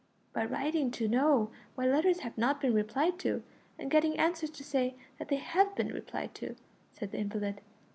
"By writing to know why letters have not been replied to, and getting answers to say that they have been replied to," said the invalid.